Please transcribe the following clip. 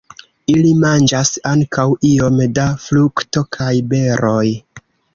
Ili manĝas ankaŭ iom da frukto kaj beroj.